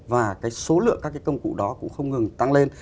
và cái số lượng các cái công cụ đó cũng không ngừng tăng lên